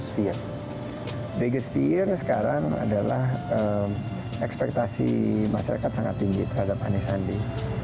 bagas peer sekarang adalah ekspektasi masyarakat sangat tinggi terhadap anies sandi